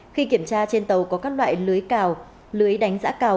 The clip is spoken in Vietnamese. khi kiểm tra trên tàu có các loại lưới đánh giã cào